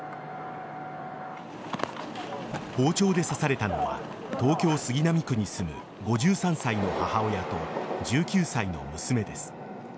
包丁で刺されたのは東京・杉並区に住む５３歳の母親と１９歳の娘です。